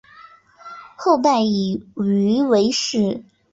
后代以鱼为氏。